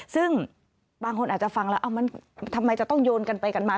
ซึ่งบางคนอาจจะฟังแล้วมันทำไมจะต้องโยนกันไปกันมา